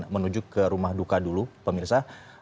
menuju ke rumah duka dulu pemirsa